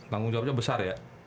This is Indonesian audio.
tanggung jawabnya besar ya